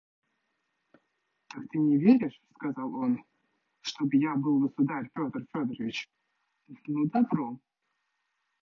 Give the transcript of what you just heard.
«Так ты не веришь, – сказал он, – чтоб я был государь Петр Федорович? Ну, добро.